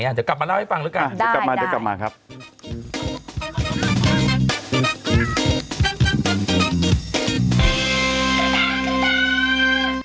เดี๋ยวกลับมาเล่าให้ฟาก่อนล่ะกันได้แล้วกลับมากลับมา